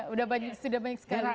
sudah banyak sekali